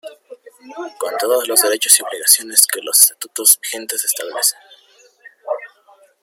Con todos los derechos y obligaciones que los estatutos vigentes Establecen.